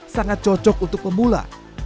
sangat cocok untuk pemula